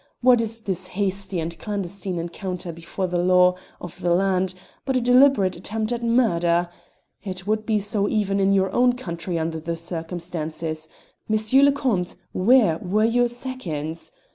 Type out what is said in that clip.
What is this hasty and clandestine encounter before the law of the land but a deliberate attempt at murder? It would be so even in your own country under the circumstances. M. le Comte, where were your seconds?